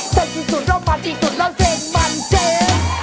ที่สุดแล้วมันที่สุดแล้วเพลงมันเจ๊